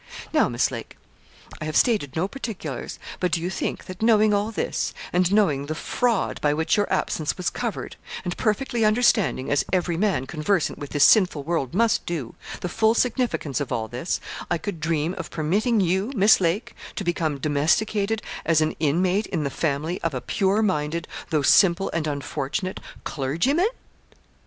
Now, Miss Lake, I have stated no particulars, but do you think that knowing all this, and knowing the fraud by which your absence was covered, and perfectly understanding, as every man conversant with this sinful world must do, the full significance of all this, I could dream of permitting you, Miss Lake, to become domesticated as an inmate in the family of a pure minded, though simple and unfortunate clergyman?'